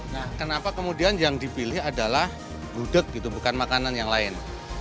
nah kenapa kemudian yang dipilih adalah gudeg gitu bukan makanan yang lain